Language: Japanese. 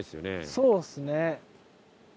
そうですね。